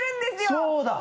そうだ。